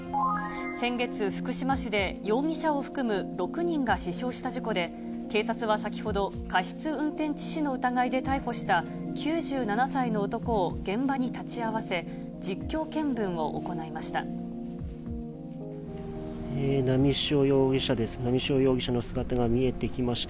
先月、福島市で容疑者を含む６人が死傷した事故で、警察は先ほど、過失運転致死の疑いで逮捕した９７歳の男を現場に立ち会わせ、実況見分を行いました。